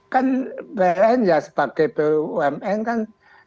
kan pln ya sebagai bumn kan